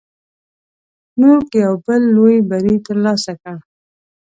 موږ یو بل لوی بری تر لاسه کړ.